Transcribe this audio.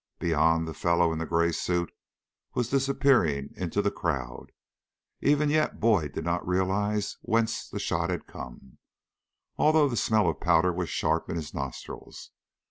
Beyond, the fellow in the gray suit was disappearing into the crowd. Even yet Boyd did not realize whence the shot had come, although the smell of powder was sharp in his nostrils.